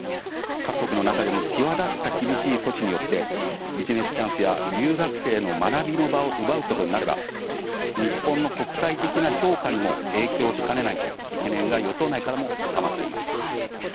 各国の中でも際立った厳しい措置によってビジネスチャンスや留学生の学びの場を奪うことになれば日本の国際的な評価にも影響しかねないと懸念が与党内からも高まっています。